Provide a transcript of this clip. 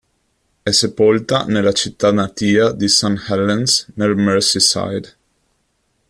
È sepolta nella città natia di St Helens, nel Merseyside.